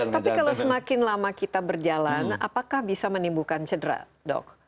tapi kalau semakin lama kita berjalan apakah bisa menimbulkan cedera dok